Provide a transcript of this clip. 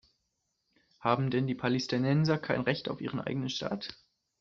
Haben denn die Palästinenser kein Recht auf ihren eigenen Staat?